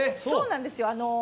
そうなんですよ